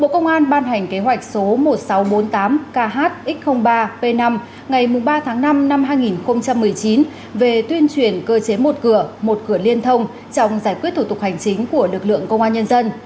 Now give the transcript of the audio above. bộ công an ban hành kế hoạch số một nghìn sáu trăm bốn mươi tám kh ba p năm ngày ba tháng năm năm hai nghìn một mươi chín về tuyên truyền cơ chế một cửa một cửa liên thông trong giải quyết thủ tục hành chính của lực lượng công an nhân dân